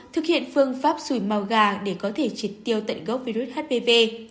bốn thực hiện phương pháp suối màu gà để có thể triệt tiêu tận gốc virus hpv